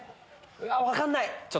あ分かんない！